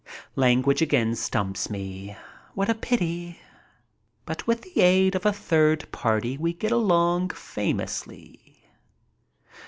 Language again stumps me. What a pity ! But with the aid of a third party we get along famously.